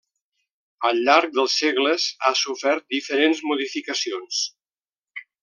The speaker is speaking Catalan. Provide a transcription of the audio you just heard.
Al llarg dels segles ha sofert diferents modificacions.